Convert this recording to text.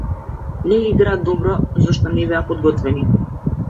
Не играа добро зашто не беа подготвени.